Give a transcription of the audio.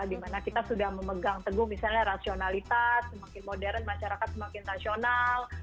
dimana kita sudah memegang teguh misalnya rasionalitas semakin modern masyarakat semakin rasional